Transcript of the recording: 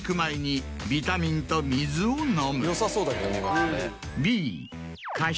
よさそうだけどね。